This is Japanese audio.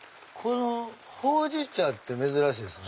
ほうじ茶って珍しいですね。